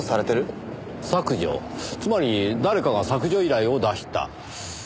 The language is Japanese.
つまり誰かが削除依頼を出した。